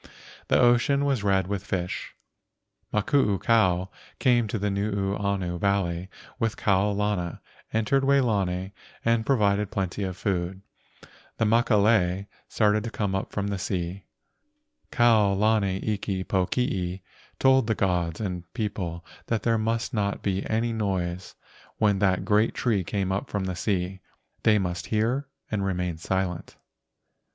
The ocean was red with the fish. Makuukao came to Nuuanu Valley with Kau lana, entered Waolani, and provided plenty of food. LEGENDS OF GHOSTS T 5 ° Then Makalei started to come up from the sea. Kau lana iki pokii told the gods and people that there must not be any noise when that great tree came up from the sea. They must hear and remain silent.